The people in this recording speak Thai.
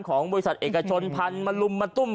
ของบริษัทเอกชนพันธุ์มาลุมมาตุ้ม